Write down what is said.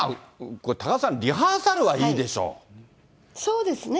これ、多賀さん、リハーそうですね。